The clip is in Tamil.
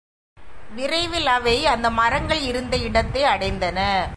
விரைவில் அவை அந்த மரங்கள் இருந்த இடத்தை அடைந்தன.